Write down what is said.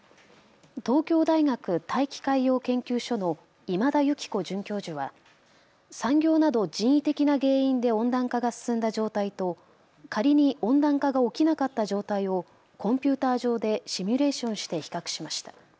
東京大学大気海洋研究所の今田由紀子准教授は産業など人為的な原因で温暖化が進んだ状態と仮に温暖化が起きなかった状態をコンピューター上でシミュレーションして比較しました。